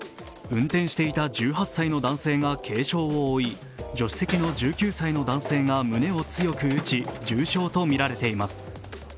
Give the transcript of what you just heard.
運転していた１８歳の男性が軽傷を負い、助手席の１９歳の男性が胸を強く撃ち、重傷とみられています。